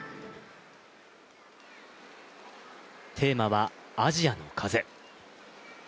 テーマはアジアの風。